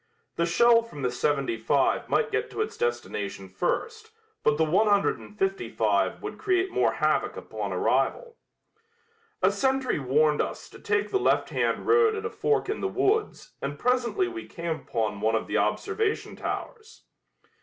The shell from the seventy five might get to its destination first but the one hundred and fifty five would create more havoc upon arrival. A sentry warned us to take the left hand road at a fork in the woods and presently we came upon one of the observation towers.